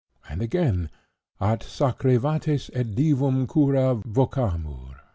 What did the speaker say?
And again— "'At sacri vates et divum cura vocamur.'